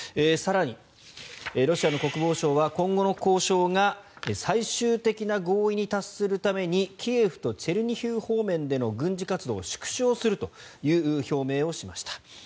更に、ロシアの国防省は今後の交渉が最終的な合意に達するためにキエフとチェルニヒウ方面での軍事活動を縮小するという表明をしました。